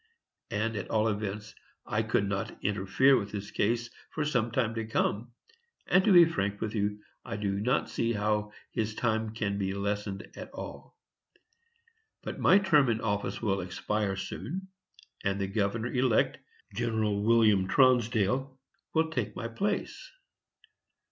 And, at all events, I could not interfere with his case for some time to come; and, to be frank with you, I do not see how his time can be lessened at all. But my term of office will expire soon, and the governor elect, Gen. William Tronsdale, will take my place.